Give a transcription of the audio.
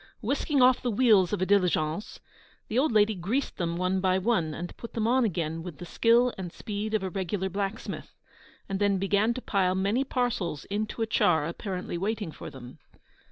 Whisking off the wheels of a diligence, the old lady greased them one by one, and put them on again with the skill and speed of a regular blacksmith, and then began to pile many parcels into a char apparently waiting for them.